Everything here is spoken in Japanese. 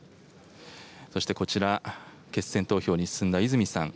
そしてこちら、決選投票に進んだ泉さん。